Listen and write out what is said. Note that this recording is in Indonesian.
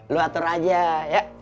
lu atur aja ya